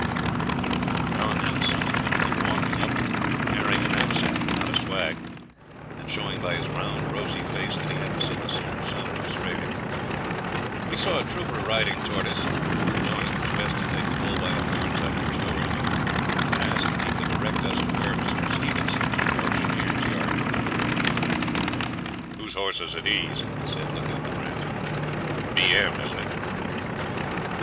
Now and then some one would come walking up, carrying a knapsack, not a swag, and showing by his round, rosy face that he hadn't seen a summer's sun in Australia. We saw a trooper riding towards us, and knowing it was best to take the bull by the horns, I pushed over to him, and asked if he could direct us to where Mr. Stevenson's, the auctioneer's, yard was. 'Whose horses are these?' he said, looking at the brands. 'B.M., isn't it?'